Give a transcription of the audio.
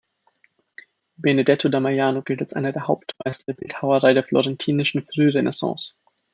Benedetto da Maiano gilt als einer der Hauptmeister der Bildhauerei der florentinischen Frührenaissance.